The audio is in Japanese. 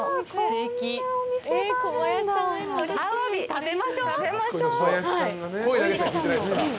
食べましょう。